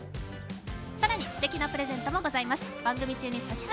更にすてきなプレゼントもございます。